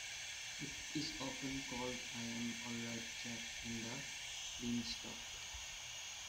It is often called I'm Alright Jack and The Beanstalk.